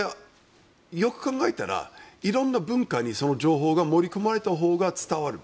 よく考えたら色んな文化にその情報が盛り込まれたほうが伝わる。